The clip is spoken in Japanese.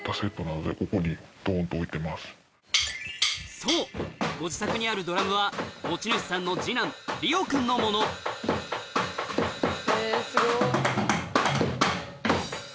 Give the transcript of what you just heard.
そうご自宅にあるドラムは持ち主さんの二男リオ君のものえっすごっ。